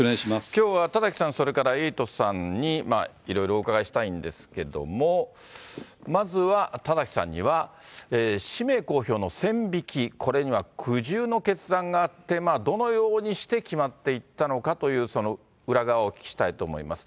きょうは田崎さん、それからエイトさんに、いろいろお伺いしたいんですけれども、まずは田崎さんには氏名公表の線引き、これには苦渋の決断があって、どのようにして決まっていったのかという、その裏側をお聞きしたいと思います。